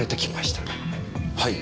はい。